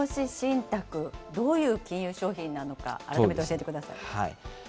投資信託、どういう金融商品なのか、改めて教えてください。